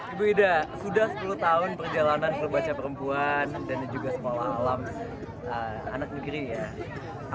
ibu ida sudah sepuluh tahun perjalanan klub baca perempuan dan juga sekolah alam anak negeri ya